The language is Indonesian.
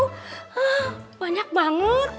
hah banyak banget